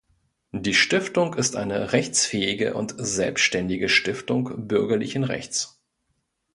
Die Stiftung ist eine rechtsfähige und selbständige Stiftung bürgerlichen Rechts.